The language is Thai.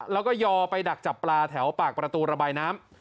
แล้วก็ยอไปดักจับปลาแถวปากประตูระบายน้ำ